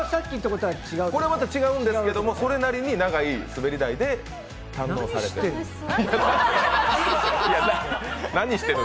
これはまた違うんですが、それなりに長い滑り台で堪能してる。